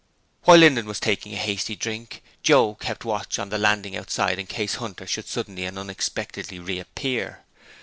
While Linden was taking a hasty drink, Joe kept watch on the landing outside in case Hunter should suddenly and unexpectedly reappear.